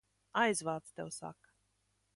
Aizvāc, tev saka!